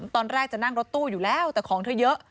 ตอนแรกจะนั่งรถตู้อยู่แล้วแต่ของเธอเยอะ